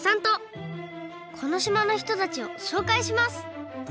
このしまのひとたちをしょうかいします。